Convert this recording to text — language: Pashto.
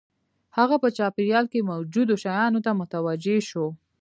هغه په چاپېريال کې موجودو شیانو ته متوجه شو